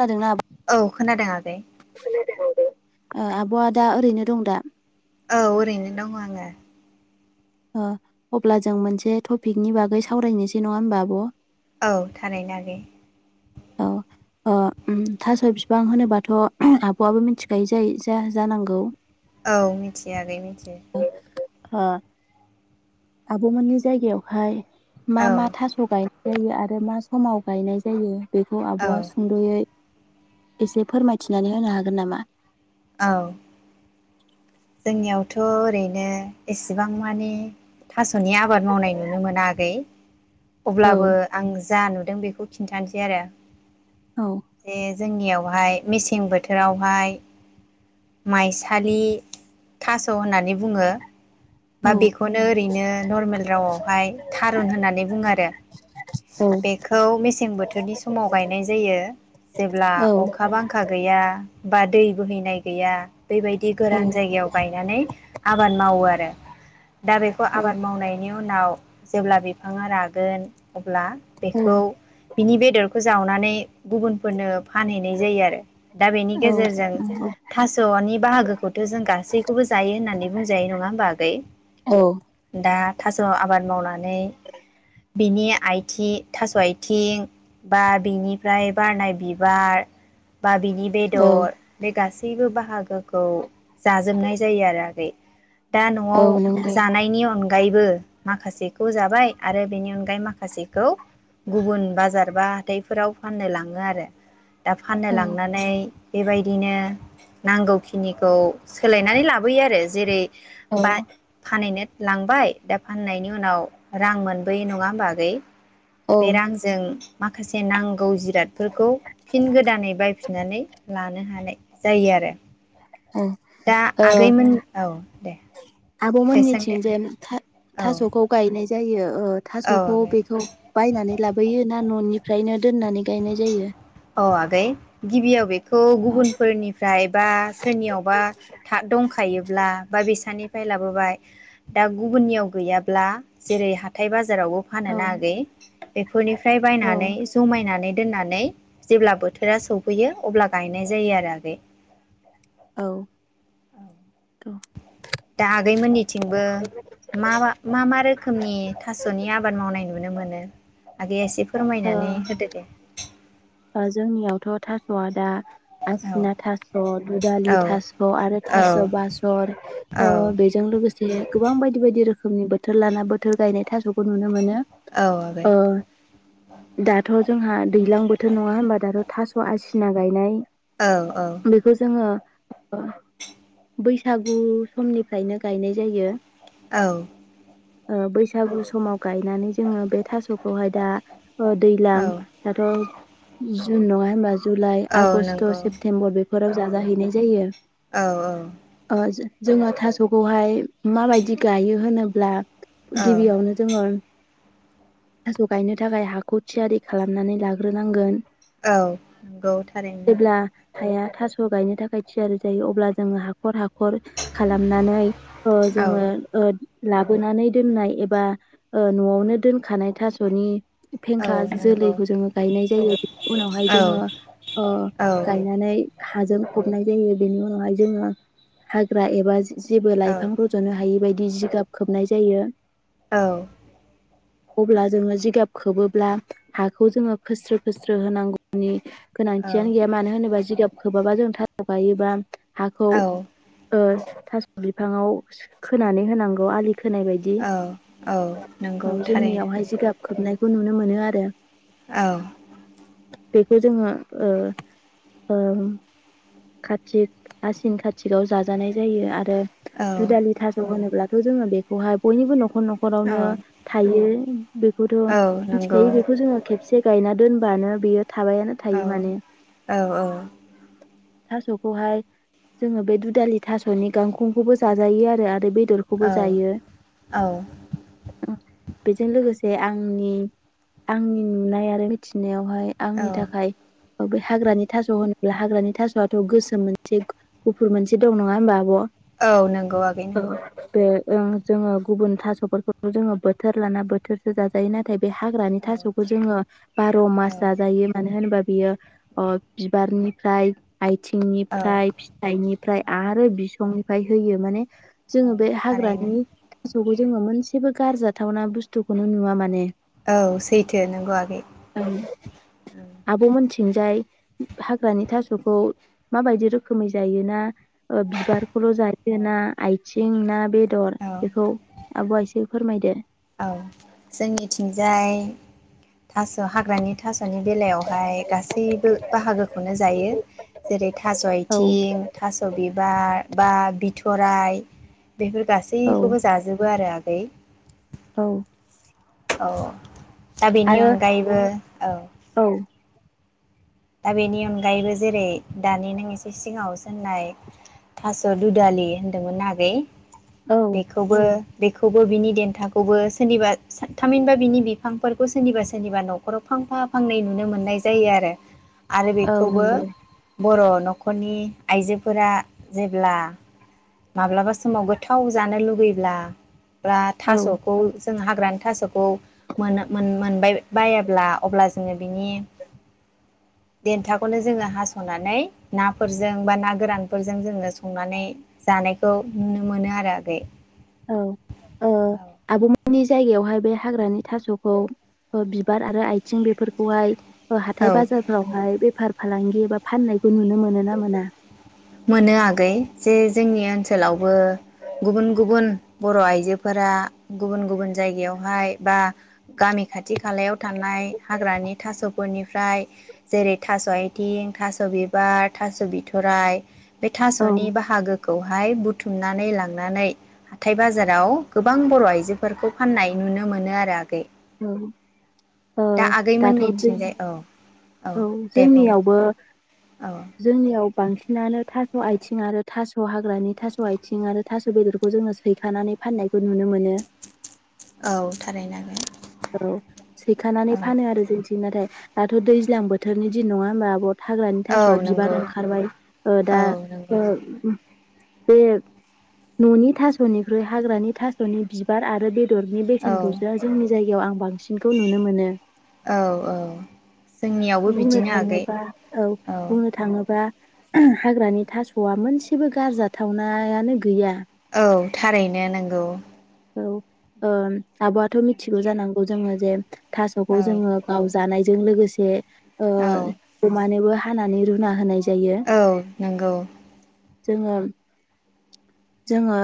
खादोंना आब औ खोनादों आगै खोनादों। आबआ दा ओरैनो दं दा। औ ओरैनो दङ आङो। अब्ला जों मोनसे टपिकनि बागै सावरायनोसै नङा होमबा आब। औ थारैनो आगै। औ थास बिफां होनोबाथ आब-आबो मिथिखायो जायो जानांगौ। औ मिथिया आगै मिथियो। ओ आब मोननि जायगायावहाय। औ मा-मा थास गायनो। जायो आरो मा समाव गायनाय जायो? बेखौ औ आबआ सुंदयै- एसे फोरमायथिनानै होनो हागोन नामा? औ। [inaudible] जोंनियावथ ओरैनो एसेबां मानि थास। मसनि आबाद मावनाय नुनो मोन आगै। औ अब्लाबो आं जानुदों। दों बेखौ खिन्थानोसै आरो। औ जे जोंनियावहाय मेसें बोथोरावहाय माइसालि थास होननानै बुङो। औ बा बेखौनो ओरैनो नरमेल रावआवहाय थारुन होननानै बुङो आरो बेखौ मेसें बोथोरनि समाव गायनाय जायो जेब्ला औ अखा बांखा गैया। बा दै बोहैनाय गैया। बेबायदि गोरान औ जायगायाव। बायनानै आबाद मावो आरो दा बेखौ आबाद मावनायनि बेनि उनाव जेब्ला बिफांङा रागोन अब्ला औ बेखौ बिनि बेदरखौ जावनानै गुबुनफोरनो फानहैनाय जायो आरो दा बेनि गेजेरजों थासनि बाहागोखौथ जों गासै बे खौबो जायो होननानै बुंजायो नंङा होमबा औ आगै दा थास आबाद मावनानै बिनि आथि थास आथिं बा बिनिफ्राय बारनाय बिबार बा बिनि औ बेदर बे गासैबो गासबो बाहागोखौ जाजोबनाय जायो आरो आगै दा औ नआव नंगौ जानायनि अनगायैबो माखासेखौ जाबाय आरो बेनि अनगायै माखासेखौ गुबुन बाजार बा हाथाइफोराव फाननो लांङो आरो दा फाननो औ लांनानै बेबायदिनो नांगौखिनिखौ सोलायनानै ला बै आरो जेरै बा औ फानैनो लांबाय दा फाननायनि उनाव रां मोनबोयो नंङा होमबा आगै औ बे रांजों माखासे नांं नांगौ जिरादफोरखौ फिन गोदानै बायफिननानै लानो ह हानाय जायो आरो औ दा आगैमोन औ दे आब दे सों मोननिथि दे जे नुथा औ थासखौ औ गायनो नाय जायो ओ थास'खौ आगै बेखौ बायनानै लाबोयो ना न'निफ्रायनो दोननानै गायनाय जायो गै गिबियाव बे खौ गुबुनफोरनिफ्राय बा सोरनियावबा था दं खायोब्ला बा बेसनिफ्राय लाबोबाय दा गुबुननियाव गैयाब्ला जेरै हा थाइ बाज जारावबो फानो औ ना आगै फोरनिफ्राय औ बायनानै ज'मायनानै दोननानै जेब्ला बोथोरा सौफैयो अब्ला गायनाय जायो आरो आगै। औ औ औ दा आगै मोननिथिंबो मा मा मा मा रोखोमनि थास'नि आबाद मावनाय नुनो मोनो आगैआ एसे फोरमायनानै ओ होदो दे। जोंनियावथ' थास'आ दा औ आसिना थास', दुदालि औ थास' आरो औ थास' बासर औ बेजों लोगोसे गोबां बायदि बायदि रोखोम खोमनि बोथोर लाना बोथोर गायनाय थास'खौ नुनो मोनो। औ आगै ओं दाथ' जोंहा दैज्लां बो थोर नङा होमबा दारुथ थास' आसिना गायनाय औ औ बेखौ जोङो ओ बैसागु समनिफ्रायनो गायनाय जायो। औ ओ बैसागु समाव गायनानै जोङो बे थास'खौहाय दा ओ दैज्लां औ दाथ' जुन नङा होनबा जुलाइ, औ आगस्ट', नंगौ सेप्तेम्बर बेफोराव जाजाहैनाय जायो। औ औ ओ जोङो थास'खौहाय माबायदि गायो होनोब्ला औ गिबियावनो जोङो थास' गायनो थाखाय हाखौ थियारि खालामनानै लाग्रो ग्रोनांगोन। औ नंगौ थारैनो। हाया थास' गायनो थाखाय थियारि जायो अब्ला जोङो हाखर हाख खर खालामनानै ओ जोङो औ ओ लाबोनानै दोननाय एबा ओ न'आवनो दोनखानाय थास'नि फेंखा औ नंगौ जोलैखौ जोंङो गायनाय जायो उनावहाय जोंङो औ औ गायनानै हाजों हरनाय जायो बेनि उनावहाय जोंङो हाग्रा एबा जेबो लायफां रज'नो हायि बाय जिगाब खोबनाय जायो। औ अब्ला जोङो जिगाब खोबोब्ला हाखौ जोंङो खोस्रो खोस्रो होनांगौनि गोनांथियानो गैया मानो होनोबा जिगाब खोबाबा जों थास' गायोबा हाखौ औ ओ थास' बिफांङाव खोनानै होनांगौ आलि खोनाय बायदि औ औ औ नंगौ थारैनो जोंनियावहाय जिगाब खोबनाय खौ नुनो मोनो आरो। औ बेखौ जोंङो ओ ओ कातिक आसिन कातिकाव जाजानाय जायो आ रो औ दुदालि थास' होनोब्ला थ जोंङो बेखौहाय बयनिबो न' न'खर न'खरावनो औ थायो। बेखौथ' औ नंगौ मिथिखायो बेखौ जोंङो खेबसे गायना दोनबानो बेयो थाबायानो औ थायो माने औ औ थास'खौहाय जोंङो बे दुदालि थास'नि गांखंखौबो जाजायो आरो आरो बे दरखौबो जायो‌ बेजों लोगो जे आंनि आंनि नुनाय आरो मिथिनायाव हाय औ आंनि थाखाय ओ बे हाग्रानि थास' होन ब्ला हाग्रानि था स आथ गोसोम मोनसे ग-गुफुर मोनसे दं नङा होमबा आब' औ नंगौ आगै औ नंगौ बे ओं जोंङो गुबुन थास'फोरखौबो जोङो बोथोर लाना बोथोरसो जाजायो नाथाय बे हाग्रानि औ थास'खौ जोंङो बार' औ मास जाजायो मानो होनोबा बियो अ बिबारनिफ्राय औ आइथिंनिफ्राय, फिथाइनिफ्राय औ आरो बिसंनिफ फ्राय होयो माने जोङो औ बे थारैनो हाग्रानि थास'खौ ज जोङो मोनसेबो गारजाथावना बुस्थुखौनो नुवा माने औ सैथो नंगौ आगै थिंजाय हाग्रानि थास'खौ माबायदि रोखोमै जायो ना ओ बिबारखौल जायो औ ना आइथ सिं ना बे बेदर औ बेखौ आब'आ एसे फोरमायदो औ जोंनिथिंजाय थास' हाग्रानि थास' फांनि बेलायावहाय गासैबो बाहागोखौनो जायो जेरै थास' औ आथिं थास' बिबार बा बिथ'राय बेफोर औ गासैखौबो जाजोबो आरो आं [unintelligible] औ औ दा बेनि आरो अनगायैबो औ औ दा बेनि अनगायैबो जेरै दानि नों एसे सिङाव सोंननाय थास' दुदालि होनदोंमोन आगै औ बेखौबो बेखौबो बिनि देन्थाखौबो सोरनिबा सा थामहिनबा बिनि बिफांफोरखौ सोरनिबा सोरनिबा न'खराव फां फा फांनै नुनो मोननाय जायो आरो आरो औ बेखौबो नंगौ बर' न'खरनि आइजोफोरा जेब्ला माब्लाबा समाव गोथाव जानो लुगैब्ला बा औ थास'खौ जों हाग्रानि थास'खौ मोनो मो मोनबाय बायाब्ला अब्ला जोङो बिनि देन्थाखौनो जोङो हास'नानै नाफोरजों बा ना गोरानफोरजों जोङो संनानै जानायखौ नुनो मोनो आरो आगै औ ओ आब'मोननि जायगायावहाय बे हाग्रानि थास'खौ बिबार आरो आथिं बेफोरखौहाय हाथाय औ बाजारफोरावहाय बेफार फालांगि एबा फाननायखौ नुनो मोनो ना मोना? मोनो आगै जे जोंनि ओनसोलावबो गुबुन गुबुन बर' आइजोफोरा गुबुन गुबुन जायगायावहाय बा गामि खाथि खालायाव थानाय हाग्रानि थास'फोरनि फ्राय जेरै थास' आयथिं थास' बिबार थास' बिथ'राइ बे औ थास'नि बाहागोखौ हाय बुथुमनानै लांनानै हाथाय बाजाराव गोबां बर' आइजोफोरखौ फाननाय नुनो मोनो आरो आगै । उम औ। ओ दाथ दै आगैमोननिथिंजाय औ औ दे बुं जोंनियावबो औ जोंनियाव बांसिनानो थास' आथिं आरो थास' हाग्रानि थास' आथिं आरो थास' बेदरखौ जोङो सैखानानै फाननायखौ नुनो मोनो । औ थारैनो आगै औ । सैखानानै औ फानो आरो जोंथिं नाथाय दाथ' दै दैज्लां बोथोरनि दिन नङा होनबा आब' हाग्रानि औ थास'आ बिबार नंगौ ओंखारबाय ओ औ दा नंगौ ओ बे न'नि थास'निख्रुइ हाग्रानि थास'नि बिबार आरो बे बेदरनि औ बेसेनखौसो जोंनि जायगा याव आं बां सांसिनखौ नुनो मोनो औ औ जोंनियावबो बुंनो बिदिनो आगै थाङोबा औ बुंनो थाङोबा हाग्रानि थास'आ मोनसेबो गारजाथावनायानो गैया । औ थारैनो नंगौ। औ ओ आब'आथ' मिथिगौ जानांगौ जोनि जों थास'खौ औ जोङो गाव जानाय लोगोसे ओ औ अमानोबो हा हानानै रुना होनाय जायो औ। नंगौ। जोङो जोङो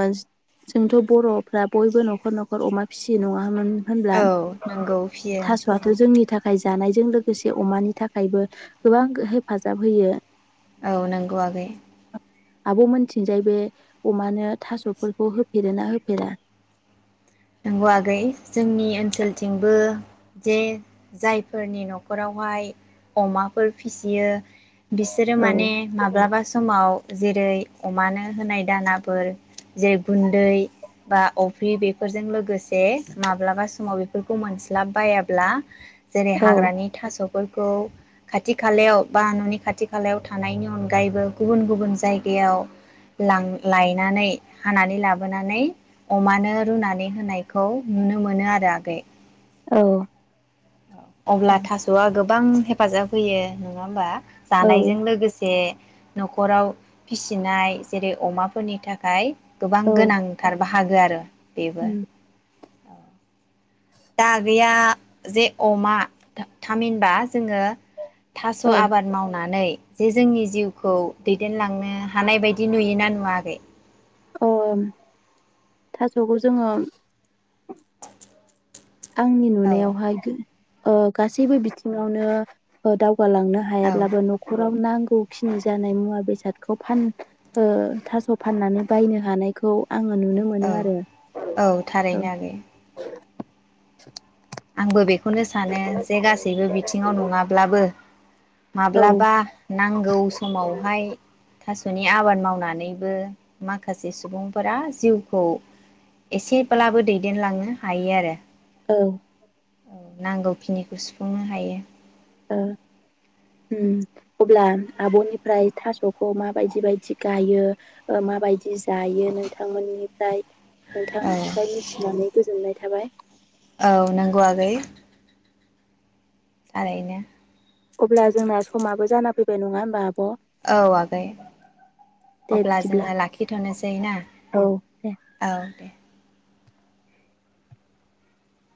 जोंथ' बर'फ्रा बयबो न'खर न'खर अमा फिसियो नङा होन होनब्ला? औ नंगौ फियो थास'आथ' जोंनि थाखाय थाखाय जानायजों लोगोसे अमानि थाखायबो गोबां हेफाजाब होयो। औ नंगौ आगै। आब' मोन्निथिंजाय बे अमानो थास'फोरखौ होफेरोना होफेरा? नंगौ आगै जोंनि ओनसोलथिंबो जे जायफोरनि न'खरावहाय अमाफोर फिसियो बिसोरो औ माने माब्लाबा समाव जेरै अमानो होनाय दानाफोर जे गुन्दै बा अफ्रि बे बेफोरजों लोगोसे माब्लाबा समाव बेफोरखौ मोनस्लाब बायाब्ला जेरै औ हाग्रानि थास' फोरखौ खाथि खालायाव बा न'नि खाथि खालायाव थानायनि अनगायैबो गुबुन गुबुन जायगायाव लां लायनानै हानानै लाबोनानै अमानो रुना नै होनायखौ नुनो मोनो आरो आगै। औ। औ। अब्ला थास'आ गो बां हेफाजाब होयो नङा होमबा? औ जानायजों लोगोसे न'खराव फिसिनाय जेरै अमाफोरनि थाखाय गोबां औ गोनांथार बाहागो आरो बेबो। दा गैया जे अमा थामहिनबा जोङो थास' औ आबाद मावनानै जे जोंनि जिउखौ दैदेनलांनो हानाय बायदि नुयोना नुवा आगै? अ' थास'खौ जोङो आंनि औ नुनायावहाय गो ओ गासैबो बिथिङावनो ओ दाव गालांनो औ हायाब्लाबो न'खराव नांगौखिनि जानाय मुवा बेसादखौ फान ओ थास' फाननानै बायनो हानायखौ आङो नुनो मोनो औ आरो औ औ थारैनो आगै। [inaudible] आंबो बे खौनो सानो जे गासैबो बिथिङाव नङाब्लाबो औ माब्लाबा नांगौ समावहाय थास'नि आबाद मावनानैबो माखासे सुबुंफोरा जिउखौ एसेब्लाबो दैदेनलांनो हायो आरो। औ। औ नांगौखिनिखौ सुफुंनो हायो। ओ उम अब्ला आब'निफ्राय थास'खौ माबायदि बायदि गायो माबायदि जायो नोंथांमोननिफ्राय नोंथां औ निफाय मिथिनानै गोजोननाय थाबाय। औ नोंगौ आगै। थारैनो अब्ला जोंना समाबो जाना फैबाय नङा होमबा आ औ आगै दे अब्ला बिदिब्ला जोङो लाखिथ'नोसै ना औ दे औ दे।